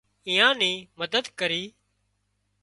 ايئان نِي مدد ڪري